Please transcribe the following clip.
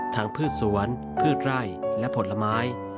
พืชสวนพืชไร่และผลไม้